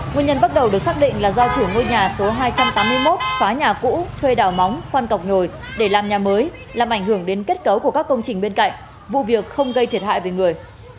nguyên nhân bắt đầu được xác định là do chủ ngôi nhà số hai trăm tám mươi một phá nhà cũ thuê đào móng khoan cọc nhồi để làm nhà mới làm ảnh hưởng đến kết cấu của các công trình bên cạnh vụ việc không gây thiệt hại về người